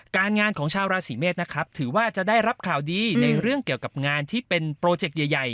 การงานของชาวราศีเมษนะครับถือว่าจะได้รับข่าวดีในเรื่องเกี่ยวกับงานที่เป็นโปรเจกต์ใหญ่